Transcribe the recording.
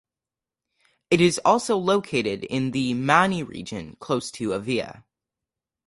It is also located in the Mani region close to Avia.